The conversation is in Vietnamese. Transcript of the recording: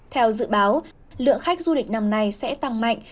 theo dự báo lượng khách du lịch năm nay sẽ tăng mạnh